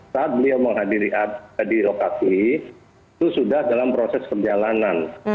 saat beliau menghadiri di lokasi itu sudah dalam proses perjalanan